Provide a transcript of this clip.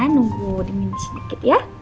nunggu ya nunggu